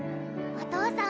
お父さん